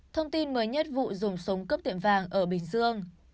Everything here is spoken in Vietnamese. thông tin mới nhất vụ dùng súng cướp tiệm vàng ở bình dương